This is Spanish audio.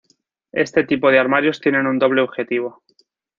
Este tipo de armarios tienen un doble objetivo.